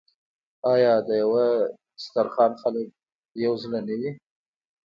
آیا د یو دسترخان خلک یو زړه نه وي؟